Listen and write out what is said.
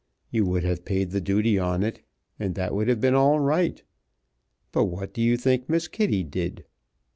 You would have paid the duty on it, and that would have been all right. But what do you think Miss Kitty did?